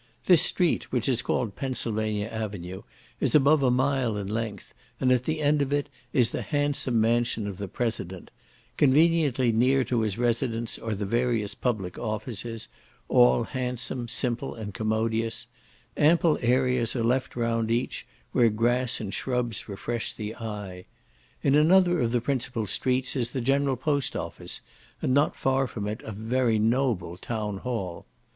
This street, which is called Pennsylvania Avenue, is above a mile in length, and at the end of it is the handsome mansion of the President; conveniently near to his residence are the various public offices, all handsome, simple, and commodious; ample areas are left round each, where grass and shrubs refresh the eye. In another of the principal streets is the general post office, and not far from it a very noble town hall.